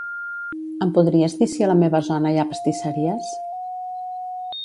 Em podries dir si a la meva zona hi ha pastisseries?